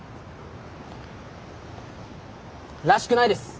らしくないです。